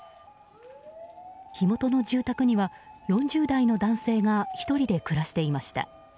火元の住宅には４０代の男性が１人で暮らしていました。